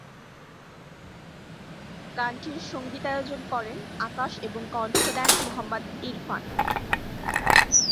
গানটির সংগীতায়োজন করেন আকাশ এবং কন্ঠ দেন মোহাম্মদ ইরফান।